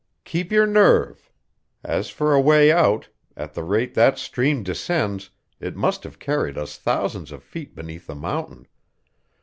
"Keep your nerve. As for a way out at the rate that stream descends it must have carried us thousands of feet beneath the mountain.